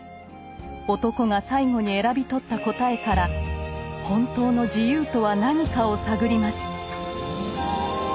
男が最後に選び取った答えから本当の「自由」とは何かを探ります。